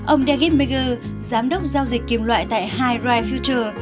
ông david mcgill giám đốc giao dịch kiềm loại tại highright future